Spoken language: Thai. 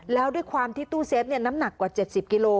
แล้วด้วยความที่ตู้เซฟน้ำหนักกว่า๗๐กิโล